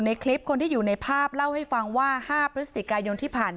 คลิปคนที่อยู่ในภาพเล่าให้ฟังว่า๕พฤศจิกายนที่ผ่านมา